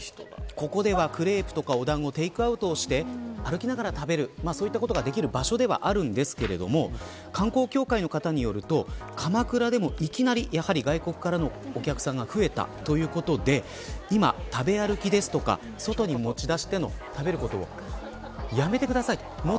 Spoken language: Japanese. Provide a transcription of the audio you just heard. ここにはクレープ屋を団子などテークアウトして歩きながら食べることができる場所ですが観光協会の方によると鎌倉でも、いきなり外国からのお客さんが増えたということで食べ歩きや外に持ち出して食べることをやめてくださいということです。